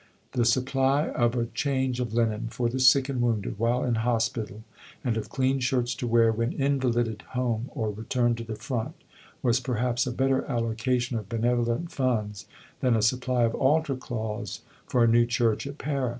The supply of a change of linen for the sick and wounded while in hospital, and of clean shirts to wear when invalided home or returned to the front, was perhaps a better allocation of benevolent funds than a supply of altar cloths for a new church at Pera.